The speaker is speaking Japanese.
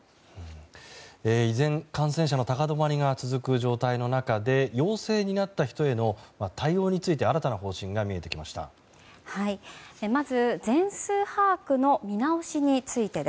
依然、感染者の高止まりが続く状態の中で陽性になった人への対応について新たな方針が見えてきました。